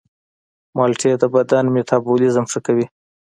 مالټې د بدن میتابولیزم ښه کوي.